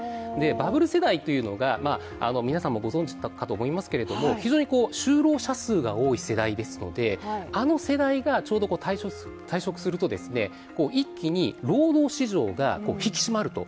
バブル世代というのが、皆さんもご存じかと思いますけれども非常に就労者数が多い世代ですのであの世代がちょうど退職すると一気に労働市場が引き締まると。